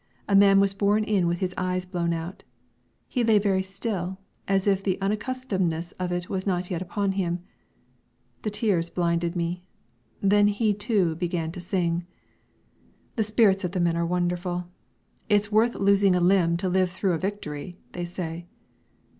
a man was borne in with his eyes blown out. He lay very still, as if the unaccustomedness of it was yet upon him. The tears blinded me. Then he too began to sing. The spirits of the men are wonderful. "It's worth losing a limb to live through a victory!" they say.